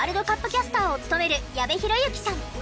キャスターを務める矢部浩之さん。